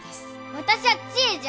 私は千恵じゃ。